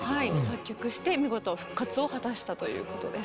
作曲して見事復活を果たしたということです。